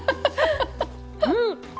うん！